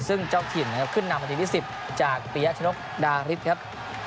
ซึ่งเจ้าถิ่นนะครับขึ้นนำนาทีที่๑๐จากปียะชนกดาริสครับ